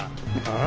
ああ。